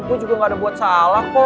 gue juga gak ada buat salah kok